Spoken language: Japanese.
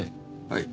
はい。